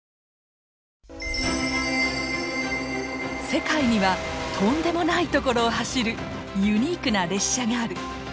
世界にはとんでもない所を走るユニークな列車がある！